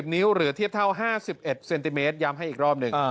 นิ้วเหลือเทียบเท่า๕๑เซนติเมตรย้ำให้อีกรอบหนึ่ง